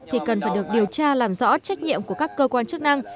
thì cần phải được điều tra làm rõ trách nhiệm của các cơ quan chức năng